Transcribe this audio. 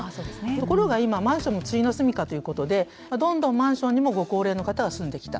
ところが今マンションも終のすみかということでどんどんマンションにもご高齢の方が住んできた。